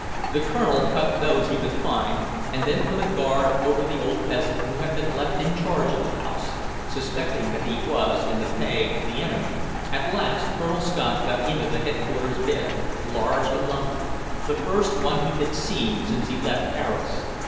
The Colonel cut those he could find, and then put a guard over the old peasant who had been left in charge of the house, suspecting that he was in the pay of the enemy. At last Colonel Scott got into the Headquarters bed, large and lumpy, the first one he had seen since he left Arras.